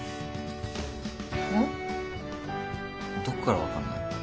どこから分かんない？